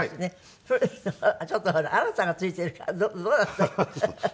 ちょっとほら「新太」がついているからどうだったっけ。